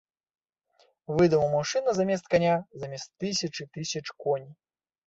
Выдумаў машыну замест каня, замест тысячы тысяч коней.